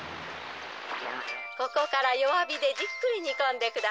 ここからよわびでじっくりにこんでください。